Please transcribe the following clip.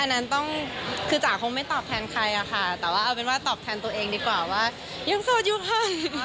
อันนั้นต้องคือจ๋าคงไม่ตอบแทนใครอะค่ะแต่ว่าเอาเป็นว่าตอบแทนตัวเองดีกว่าว่ายังโสดอยู่ค่ะ